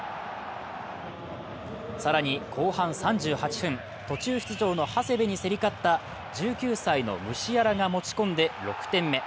更に後半３８分、途中出場の長谷部に競り勝った１９歳のムシアラが持ち込んで６点目。